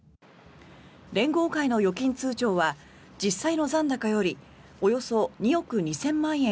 連合会の預金通帳は実際の残高よりおよそ２億２０００万円